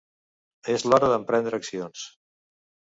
És l'hora d'emprendre accions.